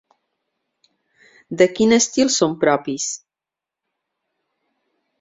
De quin estil són propis?